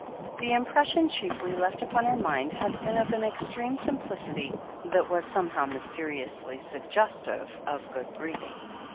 The impression chiefly left upon her mind had been of an extreme simplicity that was somehow mysteriously suggestive of good breeding.